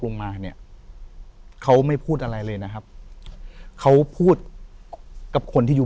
โดดโดดโดดโดดโดดโดดโดดโดดโดดโดดโดด